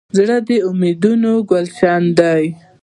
زړه د امیدونو ګلشن دی.